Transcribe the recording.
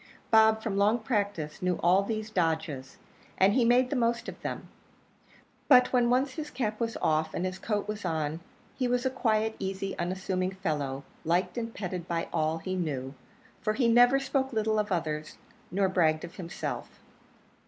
Bob, from long practice, knew all these dodges, and he made the most of them. But when once his cap was off, and his coat was on, he was a quiet, easy, unassuming fellow liked and petted by all he knew; for he never spoke little of others nor bragged of himself.